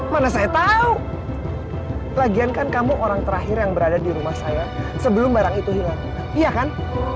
mana saya tahu lagian kan kamu orang terakhir yang berada di rumah saya sebelum barang itu hilang iya kan